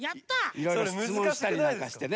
いろいろしつもんしたりなんかしてね。